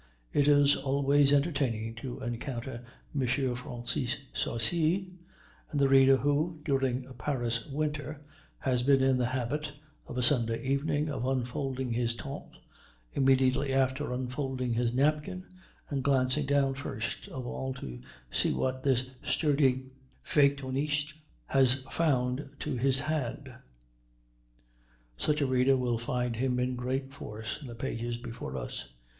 It is always entertaining to encounter M. Francisque Sarcey, and the reader who, during a Paris winter, has been in the habit, of a Sunday evening, of unfolding his "Temps" immediately after unfolding his napkin, and glancing down first of all to see what this sturdy feuilletoniste has found to his hand such a reader will find him in great force in the pages before us.